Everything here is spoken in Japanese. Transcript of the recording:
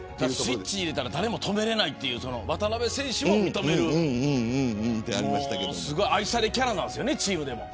スイッチを入れたら誰も止められないと渡邊選手も認めるチームでも愛されキャラなんですよね。